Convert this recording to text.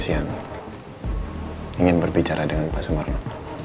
yang ingin berbicara dengan pak sumarno